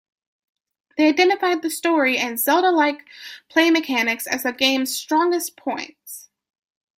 They identified the story and Zelda-like play mechanics as the game's strongest points.